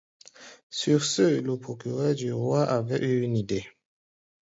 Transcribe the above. Sur ce, le procureur du roi avait eu une idée.